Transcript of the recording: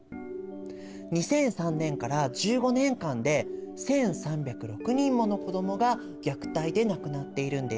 ２００３年から１５年間で１３０６人もの子どもが虐待で亡くなっているんです。